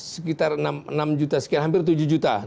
sekitar enam juta sekian hampir tujuh juta